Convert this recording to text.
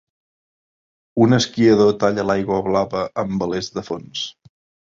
Un esquiador talla l'aigua blava amb velers de fons.